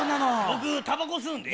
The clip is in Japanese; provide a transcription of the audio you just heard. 僕たばこ吸うんで。